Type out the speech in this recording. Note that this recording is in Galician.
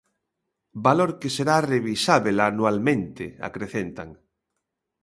Valor que será "revisábel anualmente", acrecentan.